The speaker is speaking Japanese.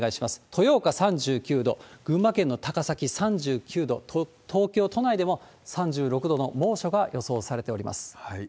豊岡３９度、群馬県の高崎３９度、東京都内でも３６度の猛暑が予想されております。